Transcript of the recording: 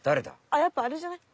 あっやっぱあれじゃない？